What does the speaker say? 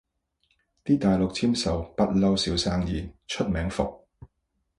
啲大陸簽售不嬲少生意，出名伏